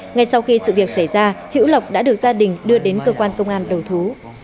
ngay sau khi sự việc xảy ra hiễu lộc đã được gia đình đưa đến cơ quan công an đầu thú